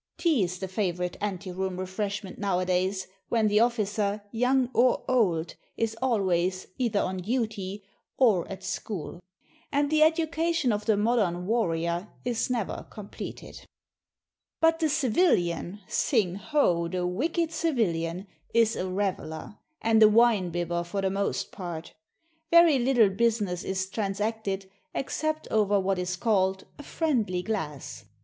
Tea is the favourite ante room refreshment nowadays, when the officer, young or old, is always either on duty, or at school. And the education of the modern warrior is never completed. But the civilian sing ho! the wicked civilian is a reveller, and a winebibber, for the most part. Very little business is transacted except over what is called "a friendly glass."